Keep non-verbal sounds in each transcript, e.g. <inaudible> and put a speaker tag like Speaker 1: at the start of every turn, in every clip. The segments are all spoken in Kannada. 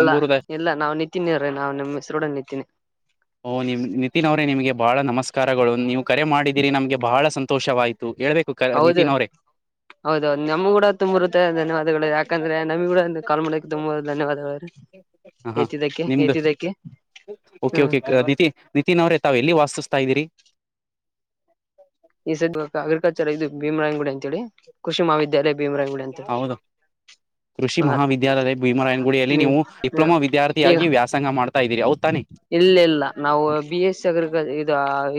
Speaker 1: ಅಲ್ಲಾ ಇಲ್ಲ ನಾವು ನಿತಿನ್ ಅವ್ರೆ ನಾವ್ ನಿಮ್ಮ ಹೆಸರುಡ ನಿತಿನೆ
Speaker 2: ಓಹ ನಿಮ್ ನಿತಿನ್ ಅವ್ರೇ ನಿಮಗೆ ಬಹಳ ನಮಸ್ಕಾರಗಳು ನೀವು ಕರೆ ಮಾಡಿದೀರಿ ನಮಗೆ ಬಹಳ ಸಂತೋಷವಾಯ್ತು ಹೇಳ್ಬೇಕು
Speaker 1: ಹೌದು
Speaker 2: ನಿತಿನ್ ಅವರೇ
Speaker 1: ಹೌದೌದು ನಮ್ ಕೂಡ ತುಂಬು ಹೃದಯದ ಧನ್ಯವಾದಗಳು ಯಾಕಂದ್ರೆ ನಮಗ ಕೂಡ ಕಾಲ್ ಮಾಡಕ್ಕೆ ತುಂಬು ಧನ್ಯವಾದಗಳು ರೀ
Speaker 2: ಹ ಹಾ
Speaker 1: ಎತಿದ್ದಕ್ಕ
Speaker 2: ನಿಮ್ದು
Speaker 1: ಎತ್ತಿದ್ದಕ್ಕೆ
Speaker 2: ಓಕೆ
Speaker 1: ಹ್ಮ್
Speaker 2: ಓಕೆ ನಿತಿ ನಿತಿನ್ ಅವ್ರೆ ತಾವ್ ಎಲ್ಲಿ ವಾಸಿಸ್ತಾ ಇದೀರಿ.
Speaker 1: ಈ ಸರ್ ಅಗ್ರಿಕಲ್ಚರ್ ಇದು ಭೀಮರಾಯಂಗುಡೆ ಅಂತೇಳಿ ಕೃಷಿ ಮಹಾವಿದ್ಯಾಲಯ ಭೀಮರಾಯ್ಗುಡೆ
Speaker 2: ಹೌದು ಕೃಷಿ ಮಹಾವಿದ್ಯಾಲಯ ಭೀಮರಾಯನ್ ಗುಡಿಯಲ್ಲಿ
Speaker 1: ಹ್ಮ
Speaker 2: ನೀವು ಡಿಪ್ಲೊಮಾ
Speaker 1: ಈಗ
Speaker 2: ವಿದ್ಯಾರ್ಥಿಯಾಗಿ ವ್ಯಾಸಂಗ ಮಾಡ್ತಾ ಇದ್ದೀರಿ ಹೌದತಾನೆ
Speaker 1: ಇಲ್ಲ ಇಲ್ಲ ನಾವು ಬಿ ಎಸ್ ಸಿ ಅಗ್ರಿಕಲ್ ಇ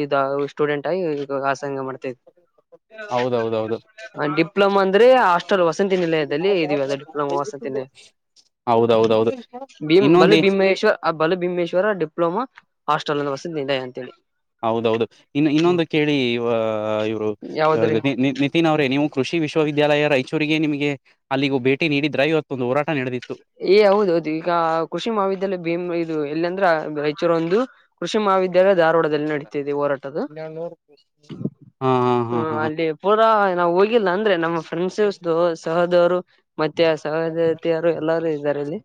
Speaker 1: ಇದು ಸ್ಟೂಡೆಂಟ್ ಆಗಿ ವ್ಯಾಸಂಗ ಮಾಡ್ತ್ವಿ
Speaker 2: ಹೌದೌದೌದು
Speaker 1: ಡಿಪ್ಲೊಮಾ ಅಂದ್ರೆ ಅಷ್ಟ್ ಷ್ಟ್ ವಸಂತಿ ನಿಲಯದಲ್ಲಿ ಇದೆಯಾ ಅ ಡಿಪ್ಲೊಮಾ ವಸತಿ ನಿಲಯ
Speaker 2: ಹೌದೌದೌದು
Speaker 1: ಭೀಮ
Speaker 2: ಇನ್ನೊಂದ
Speaker 1: ಭಲೂ ಭೀಮೇಶ್ವ್ ಆ ಭಲೂ ಭೀಮೇಶ್ವರ ಡಿಪ್ಲೊಮಾ ಹಾಸ್ಟೆಲ್ ಅನ್ನು ವಸಿತಿ ನಿಲಯ ಅಂತೇಳಿ.
Speaker 2: ಹೌದೌದು ಇನ್ನು
Speaker 1: ಹ್ಮ್
Speaker 2: ಇನ್ನೊಂದು ಕೇಳಿ ಇ ಇವರು
Speaker 1: ಯಾವದ್ರಿ
Speaker 2: ನೀ ನೀ ತಿನ್ ಅವ್ರೇ ನೀವು ಕೃಷಿ ವಿಶ್ವವಿದ್ಯಾಲಯ ರಾಯಚೂರಿಗೆ ನಿಮಗೆ ಅಲ್ಲಿಗೂ ಭೇಟಿ ನೀಡಿದ್ರ ಇವತ್ತು ಒಂದು ಹೋರಟ ನಡೆದಿತ್ತು.
Speaker 1: ಏ ಹೌದೌದು ಈಗ ಕೃಷಿ ಮಹಾವಿದ್ಯಾಲಯ ಭೀಮ್ ಇದು ಎಲ್ಲಾ ಅಂದ್ರೆ ರಾಯಚೂರು ಒಂದು ಕೃಷಿ ಮಹಾವಿದ್ಯಾಲಯ ಧಾರವಾಡದಲ್ಲಿ ನಡೀತಿದೆ ಹೋರಾಟ ಅದು.
Speaker 2: ಹಾ ಹಾ ಹಾ
Speaker 1: ಹ್ಮ್
Speaker 2: ಹಾ
Speaker 1: ಅಲ್ಲಿ ಪೂರಾ ನಾವು ಹೋಗಿಲ್ಲ ಅಂದ್ರೆ ನಮ್ಮ ಫ್ರೆಂಡ್ಸ್ದು ಸಹೋದವರು ಮತ್ತೆ ಸಹದತಿಯರು ಎಲ್ಲಾರೂ ಇದ್ದಾರೆ ಇಲ್ಲಿ.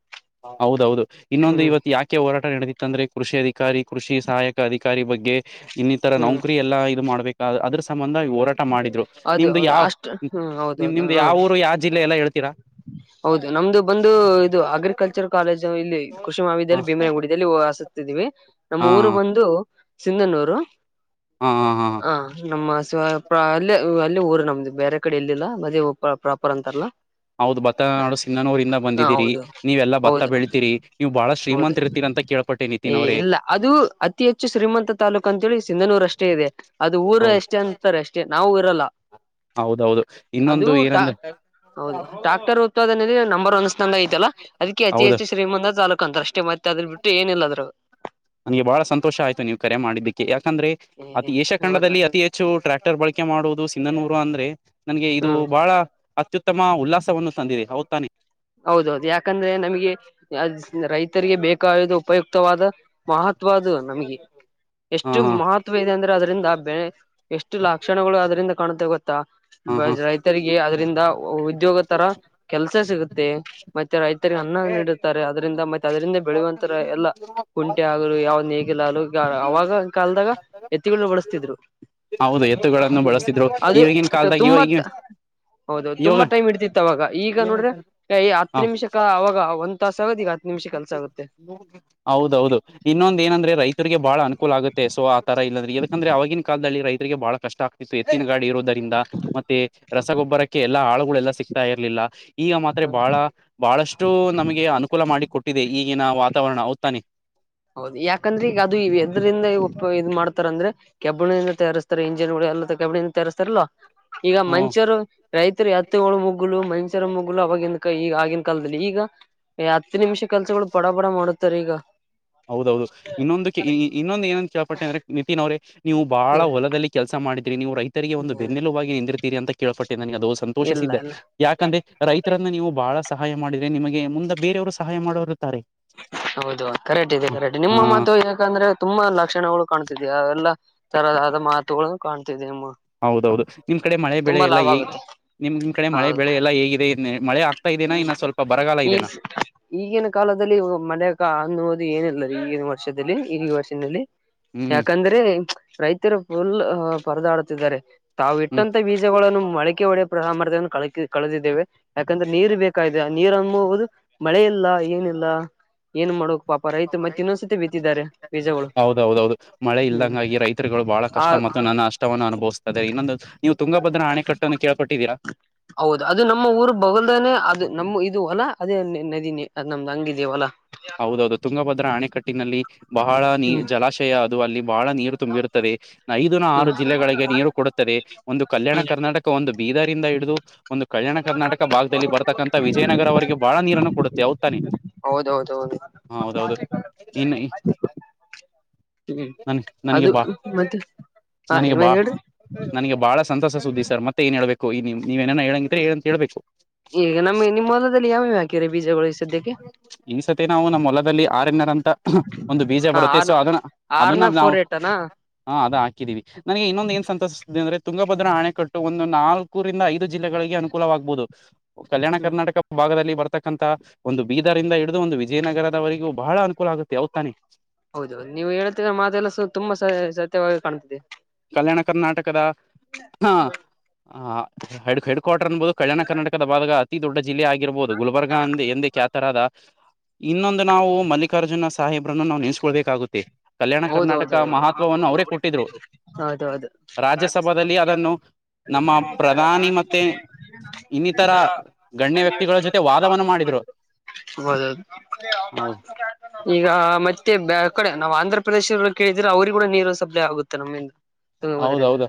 Speaker 2: ಹೌದೌದು ಇನ್ನೊಂದು
Speaker 1: ಹ್ಮ್
Speaker 2: ಇವತ್ತು ಯಾಕ ಕಕ್ಕೆ ಹೋರಾಟ ನಡೆದಿತ್ತ ಅಂದ್ರೆ ಕೃಷಿ ಅಧಿಕಾರಿ ಕೃಷಿ ಸಹಾಯಕ ಅಧಿಕಾರಿ ಬಗ್ಗೆ ಇನ್ನಿತರ
Speaker 1: ಹ್ಮ್
Speaker 2: ನೌಕರಿ ಎಲ್ಲಾ ಇದು ಮಾಡ್ಬೇಕ ಅದ್ರ ಸಂಬಂಧ ಹೋರಾಟ ಮಾಡಿದ್ರು
Speaker 1: ಅದು
Speaker 2: ನಿಮ್ದು
Speaker 1: ಹೌದು
Speaker 2: ಯಾವ
Speaker 1: ಅಷ್ಟ ಹ್ಮ್ ಹೌದೌದು
Speaker 2: ನಿಮ್ದು
Speaker 1: ಹ್ಮ
Speaker 2: ಯಾವ ಊರು ಯಾವ ಜಿಲ್ಲೆ ಎಲ್ಲ ಹೇಳ್ತೀರಾ?
Speaker 1: ಹೌದು ನಮ್ದು ಬಂದು ಇದು ಅಗ್ರಿಕಲ್ಚರ್ ಕಾಲೇಜು ಇಲ್ಲಿ
Speaker 2: ಹ
Speaker 1: ಕುೃಷಮಾವಿದಿಯಲ್ಲಿ ಭೀಮನಗುಡಿಯಲ್ಲಿ ವಾಸುಸ್ತಿದಿವಿ.
Speaker 2: ಹಾ
Speaker 1: ನಮ್ಮ ಊರು ಬಂದು ಸಿಂಧನೂರು.
Speaker 2: ಹಾ ಹಾ ಹಾ
Speaker 1: ಹ ನಮ್ಮ ಸ ಪ್ರ ಅಲ್ಲೆ ವ ಅಲ್ಲೆ ಊರು ನಮ್ದು ಬೇರೆ ಕಡೆ ಎಲ್ಲಿಲ್ಲ ಮದೀ ವ ಪೊ ಪ್ರಾಪರ್ ಅಂತಾರಲ್ಲ
Speaker 2: ಹೌದ ಬ ಮತ್ತ <unintelligible>
Speaker 1: ಹಾ
Speaker 2: ಸಿಂಧನೂರಿಂದ ಬಂದಿದ್ದಿರಿ
Speaker 1: ಹೌದು
Speaker 2: ನೀವೆಲ್ಲಾ ಭತ್ತ
Speaker 1: ಹೌದು
Speaker 2: ಬೆಳಿತೀರಿ ನೀವು ಬಾಳ
Speaker 1: ಹೌದು
Speaker 2: ಶ್ರೀಮಂತ್ರ ಇರ್ತೀರಿ ಅಂತ ಕೇಳ್ಪಟ್ಟಿನಿ.
Speaker 1: ಏ ಇಲ್ಲ ಅದು ಅತಿ ಹೆಚ್ಚು ಶ್ರೀಮಂತ ತಾಲೂಕ್ ಅಂತೇಳಿ ಸಿಂಧನೂರ ಅಷ್ಟೇ ಇದೆ ಅದು ಊರ
Speaker 2: ಹೌದು
Speaker 1: ಎಷ್ಟೇ ಅಂತ ಇರ್ತಾರೆ ಅಷ್ಟೇ ನಾವು ಇರಲ್ಲ.
Speaker 2: ಹೌದೌದು
Speaker 1: ಅದು
Speaker 2: ಇನ್ನೊಂದು
Speaker 1: ಟಾ
Speaker 2: ಏನಂದ್ರೆ
Speaker 1: ಹೌದು ಡಾಕ್ಟರ್ ಉತ್ಪಾದನೆಯಲ್ಲಿ ನಂಬರ್ ಒಂದ್ ಸ್ಥಾನಾ ಐತಲ್ಲಾ ಅದಕ್ಕೆ ಅತಿ
Speaker 2: ಹೌದು
Speaker 1: ಹೆಚ್ಚು ಶ್ರೀಮಂದ ತಾಲೂಕ ತಾರ ಅಷ್ಟೇ ಮತ್ತ ಅದರ್ ಬಿಟ್ಟು ಏನಿಲ್ಲ ಅದರ
Speaker 2: ನನಗೆ ಬಹಳ ಸಂತೋಷ ಆಯ್ತು ನೀವು ಕರೆ ಮಾಡಿದ್ದಕ್ಕೆ ಯಾಕಂದ್ರೆ ಅತಿ ಏಷ್ಯಾ
Speaker 1: ಹೌದು
Speaker 2: ಖಂಡದಲ್ಲಿ ಅತಿ ಹೆಚ್ಚು ಹೆಚ್ಚು ಟ್ರ್ಯಾಕ್ಟರ್ ಬಳಕೆ ಮಾಡುವುದು ಸಿಂಧನೂರು ಅಂದ್ರೆ ನನ್ಗೆ ಇದು
Speaker 1: ಹ್ಮ್
Speaker 2: ಬಹಳ ಅತ್ಯುತ್ತಮ ಉಲ್ಲಾಸವನ್ನು ತಂದಿದೇ ಹೌತಾನೆ?
Speaker 1: ಹೌದೌದು ಯಾಕಂದ್ರೆ ನಮಗೆ <unintelligible> ರೈತರಿಗೆ ಬೇಕಾದದು ಉಪಯುಕ್ತವಾದ ಮಹತ್ವದು ನಮಗೆ
Speaker 2: ಹಾ
Speaker 1: ಎಷ್ಟು
Speaker 2: ಹಾ
Speaker 1: ಮಹತ್ ಇದೆ ಅಂದ್ರೆ ಅದರಿಂದಾ ಬೆ ಎಷ್ಟು ಲಕ್ಷಣಗಳು ಅದರಿಂದ ಕಾಣುತ್ತೆವೆ ಗೊತ್ತಾ?
Speaker 2: ಹಾ ಹಾ
Speaker 1: ಬೈಜ್ ರೈತರಿಗೆ ಅದ್ರಿಂದ ಉದ್ಯೋಗ ತರ ಕೆಲ್ಸ ಸಿಗತ್ತೆ. ಮತ್ತೆ ರೈತರಿಗೆ ಅನ್ನ ನೀಡುತ್ತಾರೆ ಅದರಿಂದ ಮತ್ತೆ ಅದರಿಂದ ಬೆಳೆಯುವಂತರ ಎಲ್ಲ ಕುಂಟೆ ಆಗಲು ಯಾವ್ದ ನೇಗಿಲ ಆಲು ಈಗ ಅವಾಗ ಕಾಲ್ದಾಗ ಎತ್ತಿಗಳು ಬಡಸ್ತಿದ್ರು
Speaker 2: ಹೌದು ಎತ್ತುಗಳನ್ನು
Speaker 1: ಹ್ಮ
Speaker 2: ಬಳಸ್ತಿದ್ರು
Speaker 1: ಅದು
Speaker 2: ಇವಾಗಿನ ಕಾಲದಾಗ
Speaker 1: ತುಂಬತ್
Speaker 2: ಇವಾಗ
Speaker 1: ಹೌದು
Speaker 2: ಇವಾಗ
Speaker 1: ತುಂಬಾ ಟೈಮ ಹಿಡಿತಿತ್ತ ಅವಾಗಾ ಈಗ ನೋಡ್ರೆ ಕೈ ಹತ್ತ
Speaker 2: ಹ
Speaker 1: ನಿಮಿಷಕ್ ಅವಾಗ ಒಂದ್ ತಾಸ ಆಗುತ್ತ ಈಗ ಹತ್ತ ನಿಮಿಷ ಕೆಲಸ ಆಗುತ್ತೆ.
Speaker 2: ಹೌದೌದು ಇನ್ನೊಂದ ಏನಂದ್ರೆ ರೈತರಿಗೆ ಬಹಳ ಅನುಕೂಲ ಆಗುತ್ತೆ ಸೊ ಆ ತರ ಇಲ್ಲಾಂದ್ರೆ ಏನಿಕಂದ್ರೆ ಅವಾಗಿನ್ ಕಾಲದಲ್ಲಿ ರೈತರಿಗೆ ಬಹಳ ಕಷ್ಟ ಆಗ್ತಿತ್ತು ಎತ್ತಿನ ಗಾಡಿ ಇರೋದ ದಿಂದಾ ಮತ್ತೆ ರಸಗೊಬ್ಬರಕ್ಕೆ ಎಲ್ಲಾ ಆಳುಗಳೆಲ್ಲಾ ಸಿಗ್ತಾ ಇರ್ಲಿಲ್ಲ ಈಗ ಮಾತ್ರೆ
Speaker 1: ಹ್ಮ
Speaker 2: ಬಹಳ ಬಹಳಷ್ಟು ನಮಗೆ ಅನುಕೂಲ ಮಾಡಿ ಕೊಟ್ಟಿದೆ ಈಗಿನ ವಾತಾವರಣ ಹೌತಾನೆ.
Speaker 1: ಹೌದು ಯಾಕಂದ್ರೆ ಈಗ ಅದು ಇ ಎದರಿಂದ ಊಪ್ಪ್ ಇದ್ ಮಾಡ್ತಾರಂದ್ರೆ ಕೆಬ್ಬಣದಿಂದಾ ತಯಾರಿಸ್ತಾರೆ ಇಂಜನ್ಗಳು ಎಲ್ಲ ಕೆಬ್ಬಣದಿಂದಾ ತಯಾರಿಸ್ತಾರಲ್ವಾ ಈಗ
Speaker 2: ಹ್ಮ
Speaker 1: ಮನುಷ್ಯರು ರೈತರು ಹತ್ತಿಳ ಮುಗುಲು ಮನುಷ್ಯರ ಮುಗುಲು ಅವಾಗಿನ ಕೈ ಆಗಿನ ಕಾಲದಲ್ಲಿ ಈಗ? ಏ ಹತ್ತು ನಿಮಿಷ ಕೆಲ್ಸಗಳು ಪಡ ಪಡ ಮಾಡುತ್ತಾರ ಈಗ.
Speaker 2: ಹೌದೌದು ಇನ್ನೊಂದು ಕೆ ಇನ್ನೊಂದು ಏನಂತ ಕೇಳ್ಪಟ್ಟೆ ಅಂದ್ರೆ ನಿತಿನ್ ಅವ್ರೇ ನೀವು ಬಾಳ
Speaker 1: ಹ್ಮ್
Speaker 2: ಹೊಲದಲ್ಲಿ ಕೆಲಸ ಮಾಡಿದ್ರಿ ನೀವು ರೈ ರಿಗೆ ಒಂದು ಬೆನ್ನೆಲುಬಾಗಿ ನಿಂದಿರ್ತೀರಿ ಅಂತ ಕೇಳ್ಪಟ್ಟೆ ನನಗೆ ಅದು
Speaker 1: ಇಲ್ಲ
Speaker 2: ಸಂತೋಷಿಸಿದ್ದ
Speaker 1: ಇಲ್ಲ
Speaker 2: ಯಾಕಂದ್ರೆ ರೈತ ಇರನ್ನ ನೀವು ಬಹಳ ಸಹಾಯ ಮಾಡಿದ್ರೆ ನಿಮಗೆ ಮುಂದೆ ಬೇರೆಯವರು ಸಹಾಯ ಮಾಡುವವರ ಇರ್ತಾರೆ.
Speaker 1: ಹೌದು ಕರೆಕ್ಟ್ ಇದೆ ಕರೆಕ್ಟ್ ನಿಮ್ಮ
Speaker 2: ಹ
Speaker 1: ಮಾತು ಯಾಕಂದ್ರೆ ತುಂಬಾ ಲಕ್ಷಣಗಳು ಕಾಣ್ತಿದೆಯ ಅವೆಲ್ಲ ತರದಾದ ಮಾತುಗಳು ಕಾಣ್ತಿದಮ್ಮ
Speaker 2: ಹೌದೌದು ನಿಮ್ ಕಡೆ ಮಳೆ ಬೆಳೆ
Speaker 1: ತುಂಬಾ
Speaker 2: ಎಲ್ಲ
Speaker 1: ಲಾಭ
Speaker 2: ಹೇಗ್
Speaker 1: ಆಗುತ್ತೆ.
Speaker 2: ನಿಮ್, ನಿಮ್, ಕಡೆ, ಮಳೆ,
Speaker 1: ಹೌದು
Speaker 2: ಬೆಳೆ, ಎಲ್ಲ, ಹೇಗಿದೆ ಮಳೆ, ಆಗ್ತಾ ಇದೇನಾ? ಇನ್ನ, ಸ್ವಲ್ಪ ಬರಗಾಲ
Speaker 1: ಈ
Speaker 2: ಇದೆನ? <inaudible>
Speaker 1: ಈಗಿನ, ಕಾಲದಲ್ಲಿ ಮಳೆ ಅನ್ನುವುದು! ಏನಿಲ್ಲ ಈಗಿನ, ವರ್ಷದಲ್ಲಿ, ಈಗ, ವರ್ಷದಲ್ಲಿ. <unintelligible>
Speaker 2: ಹ್ಮ್
Speaker 1: ಯಾಕಂದ್ರೆ! ತ್, ರೈತರು, ಫುಲ್ ಪರದಾಡುತ್ತಿದ್ದಾರೆ, ತಾವು,
Speaker 2: ಹ್ಮ್
Speaker 1: ಇಟ್ಟಂತ, ಬೀಜ. <unintelligible> ಗಾಧೆಗಳನು, ಮೊಳಕೆ, ಹೊಡೆೆಯುವ, ಸಾಮರ್ಥ್ಯವನ್ನು, ಕ, ಕಳೆದಿದೆವೆ ಯಾಕಂದ್ರೆ, ಜುಂ. <inaudible> ನೀರು, ಬೇಕಾಗಿದೆ! ನೀರು, ಎಂಬುವುದು, ಮಳೆ ಇಲ್ಲ, ಏನಿಲ್ಲ. <inaudible> ಮಾಡೋಕ್ ಪಾಪ
Speaker 2: ಒಬ್ಬ,
Speaker 1: ಮತ್ತೆ
Speaker 2: ರೈತ,
Speaker 1: ಇನ್ನೊಂದ್ಸತಿ ಬಿತ್ತಿದ್ದಾರೆ ಬೀಜಗಳು
Speaker 2: ಹೌದೌದೌದು ಮಳೆ
Speaker 1: ಹ್ಮ್
Speaker 2: ಇಲ್ಲಂಗಾಗಿ ರೈತ. <unintelligible> ಛತ್ರಿಗಳು, ಬಹಳ
Speaker 1: ಆ
Speaker 2: ಕಷ್ಟ! ಮತ್ತು ನನ್ನ ಅಷ್ಟವನ್ನು ಅನುಭವಿಸ್ತದೆ. ಇನ್ನೊಂದು ನೀವು ತುಂಗಭದ್ರ ಹಣೆ ಕಟ್ಟನ್ನು ಕೇಳ್ಪಟ್ಟಿದ್ದೀರಾ? <inaudible>
Speaker 1: ಹೌದು ಅದು ನಮ್ಮ ಊರ್ ಬೊಗುಧನೆ? ಅದು ನಮ್ಮ ಇದು ಹೊಲ. ಅಲ್ಲಾ ಅದೇ ನದಿ ನಮ್ದ್ ಹಂಗಿದೆ, ಹೊಲ. <inaudible>
Speaker 2: ಹೌದೌದು, ತುಂಗಭದ್ರಾ! ಅಣೆಕಟ್ಟಿನಲ್ಲಿ, ಬಹಳ ನೀ,
Speaker 1: ಹ್ಮ್
Speaker 2: ಜಲಾಶಯ ಅದು ಅಲ್ಲಿ ಬಹಳ ನೀರು. <inaudible> ತುಂಬಿರುತ್ತದೆ, ಐದು, ನ, ಆರೂ,
Speaker 1: ಹ್ಮ್
Speaker 2: ಜಿಲ್ಲೆಗಳಿಗೆ, ನೀರು, ಕೊಡುತ್ತದೆ. <inaudible>
Speaker 1: ಹ್ಮ್
Speaker 2: ಅಥವಾ, ಒಂದು, ಬೀದಾರಿಂದ, ಹಿಡಿದು. <inaudible> ಒಂದು ಕಲ್ಯಾಣ ಕರ್ನಾಟಕ ಭಾಗದಲ್ಲಿ ಬರ್ತಕ್ಕಂಥ. ವಿಜಯನಗರ, ಅವರಿಗೆ ಬಹಳ ನೀರನ್ನು ಕೊಡುತ್ತೆ, ಹೌದು, ತಾನೆ. <inaudible>
Speaker 1: ಹೌದೌದು! ಹೌದು.
Speaker 2: ಹೌದೌದು ಇನ್ನು
Speaker 1: <unintelligible> ಹ್ಮ್,
Speaker 2: ನನ್ ನನಗೆ
Speaker 1: ಅದು
Speaker 2: ಬಾ
Speaker 1: ಮತ್ತೆ! ಹ,
Speaker 2: ನನಗೆ
Speaker 1: ಇವಾಗ,
Speaker 2: ಬಾ
Speaker 1: ಹೇಳುರಿ. <inaudible>
Speaker 2: ನನಗೆ ಬಾಳ ಸಂತಸ ಸುದ್ದಿ ಸರ್. ಮತ್ತೆ ಏನ್ ಹೇಳ್ಬೇಕು ಈ, ನೀ, ನೀವೇನನ ಹೇಳಂಗ್ರೆ ಹೇಳಂತ ಹೇಳ್ಬೇಕು. <inaudible>
Speaker 1: ಈಗ ನಮಗೆ ನಿಮ್ಮ, ಹೊಲದಲಿ, ಯಾವವ, ಹಾಕಿರಿ ಬೀಜಗಳು. <inaudible>
Speaker 2: ಈ, ಸತಿ ನಾವು ನಮ್ಮ್ ಹೊಲದಲ್ಲಿ! ಆರನರ ಅಂತ, ಒಂದು ಬೀಜ
Speaker 1: ಹಾ
Speaker 2: ಬರುತ್ತೆ
Speaker 1: ಆರ್
Speaker 2: ಸೊ ಅದನ್ನ? <inaudible>
Speaker 1: ಆರ್ನ,
Speaker 2: ನಾವು
Speaker 1: ಫೋರ್ ಏಟನಾ? <inaudible>
Speaker 2: ಹಾ ಅದ ಹಾಕಿದ್ದೀವಿ. <inaudible> ನನಗೆ ಇನ್ನೊಂದ ಏನ್ ಸಂತೋಷ್ತಿದೆ ಅಂದ್ರೆ. ತುಂಗಭದ್ರಾ ಆಣೆಕಟ್ಟು ಒಂದು ನಾಲ್ಕರಿಂದ ಐದು ಜಿಲ್ಲೆಗಳಿಗೆ ಅನುಕೂಲವಾಗ್ಬಹುದು. <inaudible> ಕಲ್ಯಾಣ,
Speaker 1: ಹ್ಮ್
Speaker 2: ಕರ್ನಾಟಕ ಭಾಗದಲ್ಲಿ ಬರ್ತಕ್ಕಂತಥ. <inaudible> ಒಂದು ಬೀದರಿಂದ ಹಿಡಿದು ಒಂದು ವಿಜಯನಗರದವರೆಗೂ. ಬಹಳ ಅನುಕೂಲ ಆಗುತ್ತೆ ಹೌದು ತಾನೇ? <inaudible>
Speaker 1: ಹೌದು, ನೀವು ಹೇಳ್ತಾ ಇರೋ ಮಾತೆಲ್ಲ! ತುಂಬಾ ಸತ್ಯವಾಗಿ ಕಾಣ್ತದೆ. <inaudible>
Speaker 2: ಕಲ್ಯಾಣ, ಕರ್ನಾಟಕದ. ಹೂಕುಣು. <unintelligible> ಹೆಡ್ ಹೆಡ್ ಕ್ವಾರ್ಟರ್ ಅನ್ಬಹುದು! ಕಲ್ಯಾಣ ಕರ್ನಾಟಕದ ಭಾಗ. ಅತಿ ದೊಡ್ಡ ಜಿಲ್ಲೆ ಆಗಿರ್ಬಹುದು? ಗುಲಬರ್ಗ ಅಂದ ಎಂದೇಖ್ಯಾತರಾದ. <inaudible> ಇನ್ನೊಂದು, ನಾವು ಮಲ್ಲಿಕಾರ್ಜುನ ಸಾಹೇಬ್ರನ್ನು. ನಾವು ನೆನೆಸ್ಕೊಳ್ಬೇಕಾಗುತ್ತೆ. <inaudible> ಕಲ್ಯಾಣ ಕರ್ನಾಟಕ ಮಹತ್ವವನ್ನು ಅವರೇ ಕೊಟ್ಟಿದ್ರು. <inaudible>
Speaker 1: ಹೌದು! ಹೌದು. <inaudible>
Speaker 2: ರಾಜ್ಯಸಭದಲ್ಲಿ ಅದನ್ನು. <inaudible>
Speaker 1: ನಮ್ಮ ಪ್ರಧಾನಿ! ಮತ್ತೆ ಇನ್ನಿತರ ಗಣ್ಯ. <unintelligible>
Speaker 2: ವ್ಯಕ್ತಿಗಳ, ಜೊತೆ ವಾದವವನ್ನು ಮಾಡಿದ್ರು. <inaudible>
Speaker 1: ಓದೋದು.
Speaker 2: ಹೌದು
Speaker 1: <unintelligible> ಈಗ, ಮತ್ತೆ ಬೆಲ್ ಕೊಡಿ. ಕಡೆ ನಾವ್ ಆಂಧ್ರಪ ಪ್ರದೇಶ ಕೇಳಿದ್ರೆ! ಅವ್ರಿ ಕೂಡ ನೀರು ಸಪ್ಲೈ ಆಗುತ್ತೆ ನಮಿಂದ. <inaudible>
Speaker 2: ಹೌದೌದು,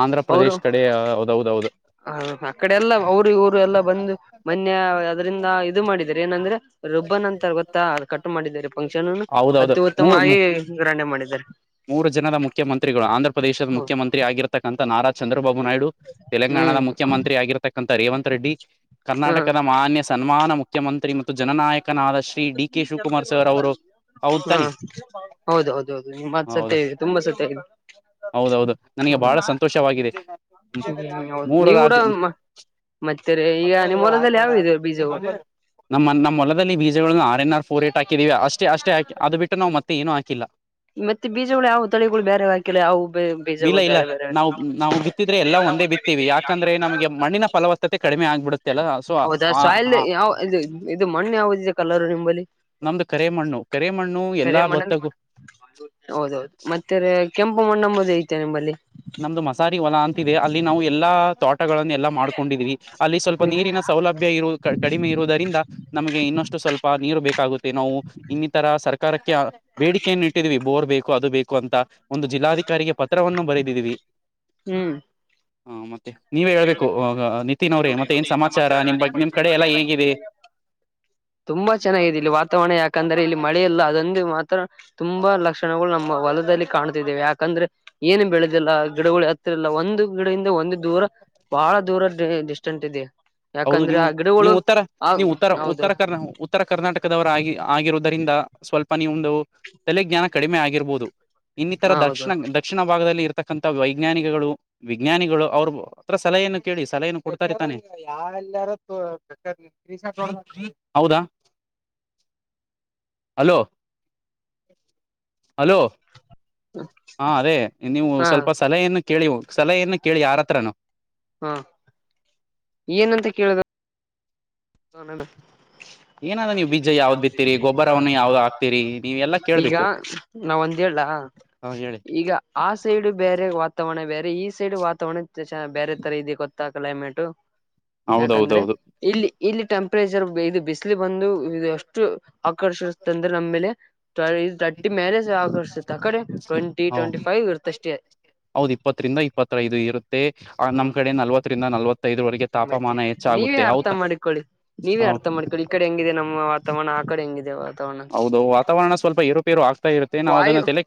Speaker 2: ಆಂಧ್ರ ಪ್ರದೇಶ್ ಕಡೆ ಹೌದೌದೌದು. <inaudible>
Speaker 1: ಹ, ಅ, ಕಡೆ, ಎಲ್ಲಾ, ಅವರು ಇವರು ಎಲ್ಲ ಬಂದು. ಮೊನ್ನೆ, ಅದರಿಂದ ಇದು ಮಾಡಿದಿದ್ದಾರೆ ಏನಂದ್ರೆ? <inaudible> ರಿಬ್ಬನ್ ಅಂತಾರೆ ಗೊತ್ತಾ? ಅದನ್ನು ಕಟ್ ಮಾಡಿದರೆ ಫಂಕ್ಷನನ್ನು,
Speaker 2: ಹೌದೌದು
Speaker 1: ಅತ್ಯುತ್ತಮವಾಗಿ,
Speaker 2: ಮೂರ್
Speaker 1: ಗ್ರಾಂಡ್ ಆಗಿ ಮಾಡಿದ್ದಾರೆ. <inaudible>
Speaker 2: ಮೂರು ಜನದ ಮುಖ್ಯಮಂತ್ರಿಗಳು. ಆಂಧ್ರಪ ಪ್ರದೇಶದ ಮುಖ್ಯಮಂತ್ರಿ. <inaudible> ಮಂತ್ರಿ ಆಗಿರತಕ್ಕಂತ ನಾರಾ ಚಂದ್ರಬಾಬು ನಾಯ್ಡು, ತೆಲಂಗಾಣದ
Speaker 1: ಹ್ಮ್
Speaker 2: ಮುಖ್ಯಮಂತ್ರಿ.. ಆಗಿರ್ತಕ್ಕಂಥ ರೇವಂತ್ ರೆಡ್ಡಿ. <inaudible>
Speaker 1: ಹಾ
Speaker 2: ಕರ್ನಾಟಕದ ಮಾನ್ಯ. ಸನ್ಮಾನ ಮುಖ್ಯಮಂತ್ರಿ ಮತ್ತು ಜನನಾಯಕನಾದಸು. <inaudible> D, D K Shivakumar sir ಅವರು. <inaudible>
Speaker 1: ಹಾ!
Speaker 2: ತಾನೆ
Speaker 1: ಹೌದು, ಹೌದು ಹೌದು ಹಿ, ಮಂತ್
Speaker 2: ಹೌದು
Speaker 1: ತುಂಬಾ ಸತಿಯಾಗಿದೆ. <inaudible>
Speaker 2: ಹೌದೌದು ನನಗೆ ಬಹಳಟಿ ಸಂತೋಷವಾಗಿದೆ.
Speaker 1: ಹ್ಮ್ ಹೌದು
Speaker 2: ಮೂರು
Speaker 1: ನೀವು
Speaker 2: ರಾಜ.
Speaker 1: ಕೂಡ
Speaker 2: <unintelligible>
Speaker 1: ಮತ್ತೆ ಈಗ ನಿಮ್ಮ ಹೊಲದಲ್ಲಿ ಯಾವುದು, ಇದೇ ಬೀಜಗಳು. <inaudible>
Speaker 2: ನಮ್ಮ ನಮ್ಮೊಲದಲ್ಲಿ ಬೀಜಗಳನ್ನು ಆರ್ನ್ ಆರ್ಫೋರ್ ಏಟ್ ಹಾಕಿದೀ. ಅಷ್ಟೇ ಅಷ್ಟೇ ಹಾಕಿ ಅದು ಬಿಟ್ಟು ನಾವೇನ್ ಹಾಕಿಲ್ಲ. <inaudible>
Speaker 1: ಮತ್ತೆ ಬೀಜಗಳು ಯಾವು ತಳಿಗಳು ಬೇರೆ ಹಾಕಿಲ್ಲ ಯಾವುವು. <inaudible>
Speaker 2: ಇಲ್ಲ
Speaker 1: ಬೀಜಗಳು
Speaker 2: ಇಲ್ಲ
Speaker 1: ಬೇರೆ ಬೇರೆ ಅಂತೆ
Speaker 2: ನಾವು
Speaker 1: <inaudible>
Speaker 2: ನಾವು ಬಿತ್ತಿದ್ರೆ ಎಲ್ಲ ಒಂದೇ ಬಿತ್ತೀವಿ ಯಾಕಂದ್ರೆ ನಮಗೆ ಮಣ್ಣಿನ ಫಲವತ್ತತೆ ಕಡಿಮೆ ಆಗ್ಬಿಡುತ್ತೆ ಅಲ್ಲ ಸೊ
Speaker 1: ಹೌದಾ ಸಾಯಿಲ್
Speaker 2: ಆ
Speaker 1: ಯಾವ ಇದು ಇದು ಮಣ್ಣು ಯಾವ್ದಿದೆ ಕಲರ್ ನಿಂಬಲ್ಲಿ
Speaker 2: ನಮ್ದು ಕರೆಮಣ್ಣು ಕರೆಮಣ್ಣು ಎಲ್ಲಾ
Speaker 1: ಕರೆ ಮಣ್ಣಲ್ಲಿ
Speaker 2: ಭತ್ತಕ್ಕೂ
Speaker 1: ಹೌದೌದು ಮತ್ತೆ ಕೆಂಪು ಮಣ್ಣಂಬದ ಐತೆ ನಿಮ್ಮಲ್ಲಿ
Speaker 2: ನಮ್ದು ಮಸಾರಿ ಹೊಲ ಅಂತಿದೆ ಅಲ್ಲಿ ನಾವು ಎಲ್ಲಾ ತೋಟಗಳನ್ನು ಎಲ್ಲಾ ಮಾಡ್ಕೊಂಡಿದ್ವಿ. ಅಲ್ಲಿ ಸ್ವಲ್ಪ
Speaker 1: ಹ್ಮ್
Speaker 2: ನೀರಿನ ಸೌಲಭ್ಯ ಯು ಕಡಿಮೆ ಇರುವುದರಿಂದ ನಮಗೆ ಇನ್ನಷ್ಟು ಸ್ವಲ್ಪ ನೀರು ಬೇಕಾಗುತ್ತೆ ನಾವು ಇನ್ನಿತರ ಸರ್ಕಾರಿ ಕ್ಕೆ ಬೇಡಿಕೆಯನ್ನು ಇಟ್ಟಿದೀವಿ ಬೋರ್ ಬೇಕು ಅದು ಬೇಕು ಅಂತ ಒಂದು ಜಿಲ್ಲಾಧಿಕಾರಿಗೆ ಪತ್ರವನ್ನು ಬರೆ <unintelligible>
Speaker 1: ಹ್ಮ್
Speaker 2: ಹಾ ಮತ್ತೆ ನೀವೇ ಹೇಳ್ಬೇಕು ನಿತಿನ್ ಅವ್ರೇ ಮತ್ತೆ ಏನ್ ಸಮಾಚಾರ ನಿಮ ಬಗ್ ನಿಮ್ ಕಡೆ ಎಲ್ಲಾ ಹೇಗಿದೆ?
Speaker 1: ತುಂಬಾ ಚೆನ್ನಾಗಿದೆ ಇಲ್ಲಿ ವಾತಾವರಣ ಯಾಕಂದ್ರೆ ಇಲ್ಲಿ ಮಳೆ ಇಲ್ಲ ಅದೊಂದು ಮಾತ್ರ ತುಂಬಾ ಲಕ್ಷಣಗಳು ನಮ್ಮ ಹೊಲದಲ್ಲಿ ಕಾಣತಿದ್ದೇವೆ ಯಾಕಂದ್ರೆ ಏನು ಬೆಳೆದಿಲ್ಲ ಗಿಡಗೊಳು ಎತ್ತರ ಇಲ್ಲ ಒಂದು ಗಿಡದಿಂದ ಒಂದು ದೂರ ಬಹಳ ದೂರದ ಡಿಸ್ಟೆನ್ಸ್ ಇದೆ.
Speaker 2: ಹೌದು
Speaker 1: ಯಾಕಂದ್ರೆ
Speaker 2: ನೀವು
Speaker 1: ಆ ಗಿಡಗಳು
Speaker 2: ನೀವು ಉತ್ತರ
Speaker 1: ಆ
Speaker 2: ನೀವು ಉತ್ತರ
Speaker 1: ಹೌದು
Speaker 2: ಉತ್ತರ ಕರ್ ಉತ್ತರ ಕರ್ನಾಟಕದವರ ಆಗಿ ಆಗಿರುವುದರಿಂದ ಸ್ವಲ್ಪ ನಿಂದು ತಲೆಜ್ಞಾನ ಕಡಿಮೆ ಆಗಿರ್ಬೋದು. ಇನ್ನಿತರ
Speaker 1: ಹಾ ಹೌದು
Speaker 2: ದಕ್ಷಿಣ ದಕ್ಷಿಣ ಭಾಗದಲ್ಲಿ ಇರತಕ್ಕಂಥ ವೈಜ್ಞಾನಿಕಗಳು ವಿಜ್ಞಾನಿಗಳು ಅವ್ರರು ಹತ್ರ ಸಲಹೆಯನ್ನು ಕೇಳಿ ಸಲಹೆಯನ್ನು ಕೊಡ್ತಾರ ತಾನೆ ಹೌದಾ? Hello hello. ಹಾ ಅದೇ ನೀವು
Speaker 1: ಹಾ
Speaker 2: ಸ್ವಲ್ಪ ಸಲಹೆಯನ್ನ ಕೇಳಿ ಸಲಹೆಯನ್ನ ಕೇಳಿ ಯಾರತ್ರನು
Speaker 1: ಹ್ಮ. ಏನಂತ ಕೇಳ್ಬೇಕ? ಹಾ ನಡಿ
Speaker 2: ಏನಾದ್ರೂ ನೀವು ಬೀಜ ಯಾವ್ದ್ ಬಿತ್ತೀರಿ ಗೊಬ್ಬರವನ್ನ ಯಾವ್ದ್ ಹಾಕ್ತೀರಿ ನೀವ ಎಲ್ಲಾ ಕೇಳ್ಬೇಕು.
Speaker 1: ನಾವ ಒಂದ್ ಹೇಳ್ಯಾ
Speaker 2: ಹ ಹೇಳಿ
Speaker 1: ಈಗ ಆ ಸೈಡ್ ಬೇರೆ ವಾತಾವರಣ ಬೇರೆ ಈ ಸೈಡ್ ವಾತಾವರಣ ಬೇರೆ ತರ ಇ ಗೊತ್ತಾ ಕ್ಲೈಮೇಟ್ ಯಾಕಂದ್ರೆ
Speaker 2: ಹೌದೌದೌದು
Speaker 1: ಇಲ್ಲಿ ಇಲ್ಲಿ ಟೆಂಪರೇಚರ್ ಇದು ಬಿಸಿಲಿ ಬಂದು ಇದು ಅಷ್ಟು ಆಕರ್ಷಿಸತ ಅಂದ್ರೆ ನಮ್ಮೇಲೆ. ಇದು ತರ್ಟ್ಟಿ ಮ್ಯಾರೇಜ್ ಆಗರ್ಸತ್ ಆ ಕಡೆ ಟ್ವೆಂಟಿ ಟ್ವೆಂಟಿ ಫೈವ್ ಇರ್ತಷ್ಟೇ.
Speaker 2: ಹೌದ್ ಇಪ್ಪತ್ತರಿಂದ ಇಪ್ಪತ್ತೈದು ಇರುತ್ತೆ ಆ ನಮ್ ಕಡೆ ನಲ್ವತ್ತರಿಂದ ನಲ್ವತ್
Speaker 1: ಮತ್ತೆ ನೀವೇ ಅರ್ಥ ಮಾಡ್ಕೊಳ್ಳಿ ನೀವೇ ಅರ್ಥ ಮಾಡ್ಕೊಳ್ಳಿ. ಈ ಕಡೆ ಹೆಂಗಿದೆ ನಮ್ಮ ವಾತಾವರಣ ಆ ಕಡೆ ಹೆಂಗಿದೆ ವಾತಾವರಣ
Speaker 2: ಹೌದು ವಾತಾವರಣ ಸ್ವಲ್ಪ ಏರುಪೇರು ಆಗ್ತಾ ಇರುತ್ತೆ ನಾವು ಅದನ್ನ
Speaker 1: ವಾಯು
Speaker 2: ತಲೆ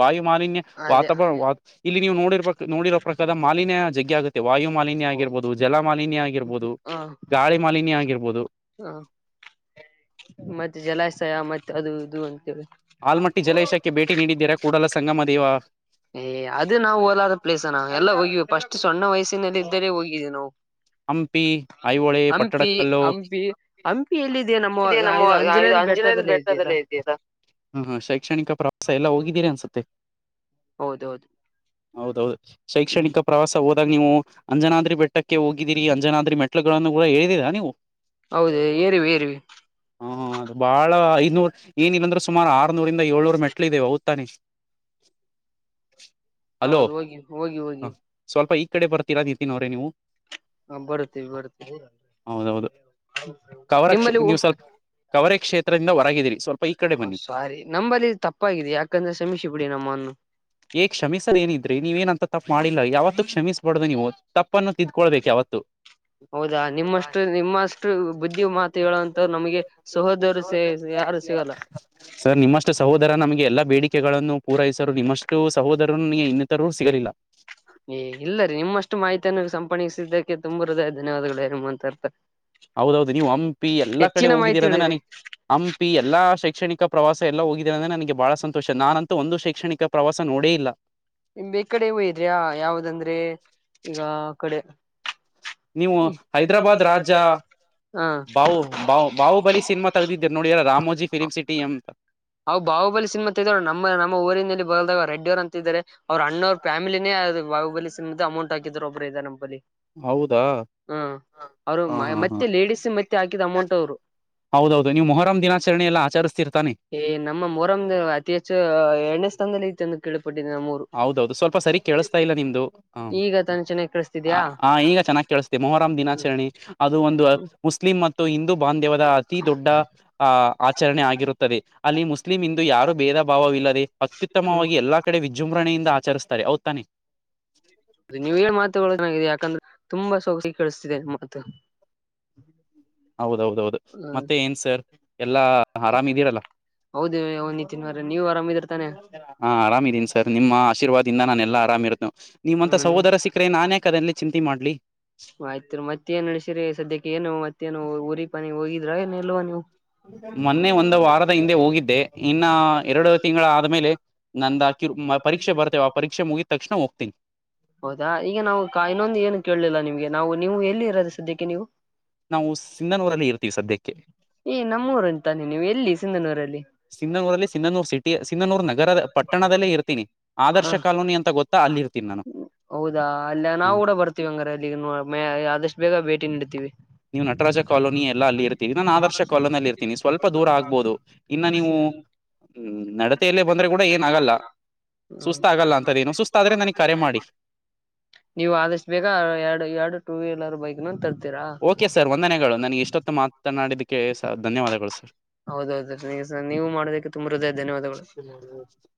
Speaker 2: ವಾಯು ಮಾಲಿನ್ಯ
Speaker 1: ಅದೇ
Speaker 2: ವಾತಾವರಣ ಇಲ್ಲಿ ನೀವು ನೋಡಿರಬೇಕ ನೋಡಿರೋ ಪ್ರಕಾರ ಮಾಲಿನ್ಯ ಜಗ್ಗೆ ಆಗುತ್ತೆ. ವಾಯು ಮಾಲಿನ್ಯ ಆಗಿರಬಹುದು ಜಲ ಮಾಲನ್ಯ ಆಗಿರಬಹುದು
Speaker 1: ಹ
Speaker 2: ಗಾಳಿ ಮಾಲಿನ್ಯ ಆಗಿರಬಹುದು.
Speaker 1: ಹಾ ಮತ್ತೆ ಜಲಾಶಯ ಮತ್ತೆ ಅದು ಇದು ಅಂತ ಹೇಳಿ
Speaker 2: ಆಲಮಟ್ಟಿ ಜಲಾಶಕ್ಕೆ ಭೇಟಿ ನೀಡಿದ್ದೀರಾ ಕೂಡಲಸಂಗಮದೇವಾ
Speaker 1: ಏ ಅದು ನಾವು ಹೊಲಾರ್ದ ಪ್ಲೇಸ್ ಅಣ್ಣ ಎಲ್ಲ ಹೋಗ್ವಿ ಫಸ್ಟ್ ಸಣ್ಣ ಹೋಗ ವಯಸ್ಸಿನಲ್ಲೇ ಇದ್ದರೆ ಹೋಗಿದೆ ನಾವು
Speaker 2: ಹಂಪಿ ಐಹೊಳೆ
Speaker 1: ಹಂಪಿ
Speaker 2: ಪಟ್ಟಡಕಲ್ಲು
Speaker 1: ಹಂಪಿ ಹಂಪಿ ಎಲ್ಲಿದೆಯ ನಮ್ಮದು ಅಂಜನಾದ್ರಿ ಬೆಟ್ಟದಲ್ಲಿ ಲ್ಲ ಇದೆಯಲ್ಲ.
Speaker 2: ಹ್ಮ ಶೈಕ್ಷಣಿಕ ಪ್ರವಾಸ ಎಲ್ಲಾ ಹೋಗಿದ್ದೀರಾ ಅನ್ಸುತ್ತೆ.
Speaker 1: ಹೌದೌದು.
Speaker 2: ಹೌದೌದು
Speaker 1: ಹ್ಮ್
Speaker 2: ಶೈಕ್ಷಣಿಕ ಪ್ರವಾಸ ಹೋದಾಗ ನೀವು ಅಂಜನಾದ್ರಿ ಬೆಟ್ಟಕ್ಕೆ ಹೋಗಿ ಹಯಾಗಿರಿ ಅಂಜನಾದ್ರಿ ಮೆಟ್ಲಗಳನ್ನ ಕೂಡ ಏರಿದಿರ ನೀವು
Speaker 1: ಹೌದ ಏರಿವಿ ಏರಿವಿ
Speaker 2: ಹ್ಮ ಅದು ಬಾಳ ಐನೂರ್ ಏನಿಲ್ಲಾಂದ್ರೆ ಸುಮಾರು ಆರ್ನೂರಿಂದ ಏಳ್ನೂರು ಮೆಟ್ಲು ಇದೇ <unintelligible> <inaudible> ಅಲೋ
Speaker 1: ಹೌದು ಹೋಗಿ ಹೋಗಿ
Speaker 2: ಹ
Speaker 1: ಹೋಗಿ
Speaker 2: ಸ್ವಲ್ಪ ಈ ಕಡೆ ಬರ್ತೀರಾ ನಿತಿನ್ ಅವ್ರೇ ನೀವು
Speaker 1: ಹ ಬರ್ತೀವಿ ಬರ್ತೀವಿ
Speaker 2: ಹೌದೌದು ಕವರ ಕ್ಷೇ
Speaker 1: ನಿಮ್ಮಲ್ಲಿ
Speaker 2: ನೀವು ಸ್ವಲ್ಪ ಕವರೆ ಕ್ಷೇತ್ರದಿಂದ ಹೊರಗಿದೀರಿ
Speaker 1: ಒ ಸಾರಿ ನಂಬಲ್ಲಿ ತಪ್ಪಾಗಿದೆ ಯಾಕಂದ್ರೆ ಸಮೀಶಿ ಬಿಡಿ ನಮ್ಮನ್ನು
Speaker 2: ಏ ಕ್ಷಮಿಸದೇನಿದ್ರೆ ನೀವ ಏನಂತ ತಪ್ಪ ಮಾಡಿಲ್ಲಾ ಯಾವತ್ತೂ ಕ್ಷಮಿಸ್ಬಾರ್ದು ನೀವು ತಪ್ಪನ್ನು ತಿದ್ಕೊಳ್ಬೇಕು ಯಾವತ್ತು
Speaker 1: ಹೌದಾ ನಿಮ್ಮಷ್ಟು ನಿಮ್ಮಷ್ಟು ಬುದ್ಧಿ ಮಾತು ಹೇಳುವಂತ್ರು ನಮಗೆ ಸಹೋದರು ಸೇ ಯಾರು <unintelligible>
Speaker 2: ಸರ್ ನಿಮ್ಮಷ್ಟು ಸಹೋದರ ನಮ್ಗೆ ಎಲ್ಲಾ ಬೇಡಿಕೆಗಳನ್ನು ಪೂರೈಸರು ನಿಮ್ ಸಹೋದರನ್ ಇನ್ನಿತರರು ಸಿಗರಿಲ್ಲ
Speaker 1: ಏ ಇಲ್ಲ ರೀ ನಿಮ್ಮಷ್ಟು ಮಾಹಿತಿಯನ್ನು ಸಂಪಣಿಸಿದ್ದಕ್ಕೆ ತುಂಬಾ ಹೃದಯ ಧನ್ಯವಾದಗಳು <unintelligible>
Speaker 2: ಹೌದೌದು ನೀವು ಹಂಪಿ ಎಲ್ಲಾ ಕಡೆ
Speaker 1: ಹೆಚ್ಚಿನ ಮಾಹಿತಿ
Speaker 2: ಹೋಗಿದ್ದೀರ ಅಂದ್ರೆ
Speaker 1: ಹೇಳಿರಿ
Speaker 2: ನನಗೆ ಹಂಪಿ ಎಲ್ಲಾ ಶೈಕ್ಷಣಿಕ ಪ್ರವಾಸ ಎಲ್ಲ ಹೋಗಿದಿದ್ದಾರೆ ಅಂದ್ರೆ ನನಗೆ ಬಹಳ ಸಂತೋಷ ನಾನಂತೂ ಒಂದು ಶೈಕ್ಷಣಿಕ ಪ್ರವಾಸ ನೋಡೇ ಇಲ್ಲ
Speaker 1: <unintelligible> ಈ ಕಡೆ ಇದ್ಯಾ ಯಾವ್ದಂದ್ರೆ ಈಗ ಆ ಕಡೆ
Speaker 2: ನೀವು ಹೈದ್ರಾಬಾದ್ ರಾಜ
Speaker 1: ಹ
Speaker 2: ಬಾಹು ಬಾ ಬಾಹು ಬಲಿ ಸಿನಿಮಾ ತಗ್ದಿದ್ದರು ನೋಡಿ ಯಲ್ಲ ರಾಮೋಜಿ ಫಿಲಿಮ್ ಸಿಟಿ ಎಂಬ
Speaker 1: ಅವು ಬಾಹುಬಲಿ ಸಿನಿಮಾ <unintelligible> ನಮ್ಮ ನಮ್ಮ ಊರಿನಲ್ಲಿ ಬಲ್ದಾಗ ರೆಡ್ಡಿಯವರು ಅಂತ ಇದಾರೆ ಅವ್ರರು ಅಣ್ಣವ್ರ ಫ್ಯಾಮಲಿನೇ ಅ ಬಹುಬಲಿ ಸಿಮದ ಅಮೌಂಟ್ ಹಾಕಿದ್ರು ಒಬ್ರು ಇದರೆ ನಮ್ಮಂಬಲಿ
Speaker 2: ಹೌದಾ
Speaker 1: ಹಾ ಅವರು
Speaker 2: ಹಾ ಹಾ ಹಾ
Speaker 1: ಮತ್ತೆ ಲೇಡಿಸ್ ಮತ್ತೆ ಹಾಕಿದ ಅಮೌಂಟ್ ಅವರು
Speaker 2: ಹೌದೌದು ನೀವು ಮೊರಂ ದಿನಾಚರಣೆ ಎಲ್ಲ ಆಚರಿಸ್ತಿರತಾನೆ
Speaker 1: ಏ ನಮ್ಮ ಮೊಹರಂ ಅತಿ ಹೆಚ್ಚು ಎರಡನೇ ಸ್ಥಾನದಲ್ಲಿ ಐಥೆ ಅಂತ ಕೇಳ್ಪಟ್ಟಿದೆ ನಮ್ಮಊರು
Speaker 2: ಹೌದೌದು ಸ್ವಲ್ಪ ಸರಿ ಕೇಳಿಸತಾ ಇಲ್ಲ ನಿಮ್ದು ಹ
Speaker 1: ಈಗ ತಾನೆ ಚೆನ್ನಾಗಿ ಕೆಲಸ್ತಿತು
Speaker 2: ಹ ಈಗ ಚೆನ್ನಾಗಿ ಕೇಳಿಸ್ತಇದೆ ಮೊಹರಂ ದಿನಾಚರಣೆ ಅದು ಒಂದು ಮುಸ್ಲಿಂ ಮತ್ತು ಹಿಂದೂ ಬಾಂಧವ್ಯಾದ ಅತಿ ದೊಡ್ಡ ಆ ಆಚರಣೆ ಆಗಿರುತ್ತದೆ ಅಲ್ಲಿ ಮುಸ್ಲಿಂ ದು ಯಾರು ಭೇದ ಭಾವವಿಲ್ಲದೆ ಅತ್ಯುತ್ತಮವಾಗಿ ಎಲ್ಲಾ ಕಡೆ ವಿಜೃಂಭಣೆಯಿಂದ ಆಚರಿಸ್ತಾರೆ ಹೌದು ತಾನೆ
Speaker 1: ನೀವೆ ಮಾತುಗಳು ನನಗೆ ಯಾಕಂದ್ರೆ ತುಂಬಾ <unintelligible> ಕೇಳಿಸ್ತಿದೆ ಮಾತು
Speaker 2: ಹೌದೌದೌದು ಮತ್ತೆ ಏನ್ ಸರ್ ಎಲ್ಲಾ ಆರಾಮ್ ಇದ್ದಿರಲ್ಲ
Speaker 1: ಹೌದು ಅವ ನಿತಿನ್ ಅವರೆ ನೀವ್ ಆರಾಮಿದಿರ್ತಾನೆ
Speaker 2: ಹಾ ಆರಾಮ ಇದೀನಿ ಸರ್ ನಿಮ್ಮ ಆಶೀರ್ವಾದಿಂದ ನಾನೆಲ್ಲ ಆರಾಮ್ ಇರೋದು ನಿಮ್ಮಂಥ
Speaker 1: ಹ್ಮ್
Speaker 2: ಸಹೋದರ ಸಿಕ್ ರೆ ನಾನ್ ಯಾಕ್ ಅದಲ್ಲಿ ಚಿಂತೆ ಮಾಡ್ಲಿ
Speaker 1: ಆಯ್ತು ಮತ್ ಏನ್ ನಡಿಸಿರಿ ಸದ್ಯಕ್ಕೆ ಏನು ಮತ್ತೇನು ಊರಿ ಪನ ಹೋಗಿದ್ರ ಏನ್ ಇಲ್ವ ನೀವು
Speaker 2: ಮೊನ್ನೆ ಒಂದು ವಾರದ ಹಿಂದೆ ಹೋಗಿದ್ದೆ ಇನ್ನ ಎರಡು ತಿಂಗಳ ಆದ್ಮೇಲೆ ನಂದ ಆಕಿರ್ ಪರೀಕ್ಷೆ ಬರ್ತೇ ಆ ಪರೀಕ್ಷೆ ಮುಗಿದ ತಕ್ಷಣ ಹೋಗ್ತೀನಿ
Speaker 1: ಹೌದಾ ಈಗ ನಾವು ಇನ್ನೊಂದು ಏನು ಕೇಳಲಿಲ್ಲ ನಿಮ್ಗೆ ನಾವು ನೀವು ಎಲ್ಲಿ ಇರೋದೆ ಸದ್ಯಕ್ಕೆ ನೀವು
Speaker 2: ನಾವು ಸಿಂಧನೂರಲ್ಲಿ ಇರ್ತೀವಿ ಸದ್ಯಕ್ಕೆ
Speaker 1: ಏ ನಮ್ಮೂರುಂತಾನೆ ನೀವು ಎಲ್ಲಿ ಸಿಂಧನೂರಲ್ಲಿ
Speaker 2: ಸಿಂಧನೂರಲ್ಲಿ ಸಿಂಧನೂರ್ ಸಿಟಿ ಸಿಂಧನೂರು ನಗರದ ಪಟ್ಟಣದಲ್ಲೇ ಇರ್ತೀನಿ
Speaker 1: ಹ
Speaker 2: ಆದರ್ಶ ಕಾಲೋನಿ ಅಂತ ಗೊತ್ತಾ ಅಲ್ಲಿ ಇರ್ತೀನಿ ನಾನು
Speaker 1: ಹೌದಾ ಅಲ್ಲ
Speaker 2: ಹ
Speaker 1: ನಾವು ಕೂಡ ಬರ್ತೀವಿ ಹಂಗ್ರ ಅಲ್ಲಿ ಆದಷ್ಟು ಬೇಗ ಭೇಟಿ ನೀಡ್ತಿವಿ
Speaker 2: ನೀವು ನಟರಾಜ ಕಾಲೋನಿ ಎಲ್ಲ ಅಲ್ಲಿ ಇರು ಈಗ ನಾನ ಆದರ್ಶ ಕಲದಲ್ಲಿ ಇರ್ತೀನಿ ಸ್ವಲ್ಪ ದೂರ ಆಗ್ಬೋದು ಇನ್ನ ನೀವು ಹ್ಮ್ ನಡತೆಯಲ್ಲೇ ಬಂದ್ರೆ ಕೂಡ ಏನ್ ಆಗಲ್ಲ. ಸುಸ್ತ ಆಗಲ್ಲ ಅಂತದ ಏನು ಸುಸ್ತ ಆದ್ರೆ ನನಗ್ ಕರೆ ಮಾಡಿ.
Speaker 1: ನೀವು ಆದಷ್ಟು ಬೇಗ ಎರಡು ಎರಡು ಟೂ ವೀಲರ್ ಬೈಕ್ ನ ತರ್ತೀವಿ.
Speaker 2: ಓಕೆ ಸರ್ ವಂದನೆಗಳು ನನಗೆ ಇಷ್ಟೊತ್ತು ಮಾತನಾಡಿದಕ್ಕೆ ಸ ಧನ್ಯವಾದಗಳು ಸರ್.
Speaker 1: ಹೌದೌದು ಸರ ನೀವು ಮಾಡೋದಕ್ಕೆ ತುಂಬು ಹೃದಯದ
Speaker 2: <inaudible>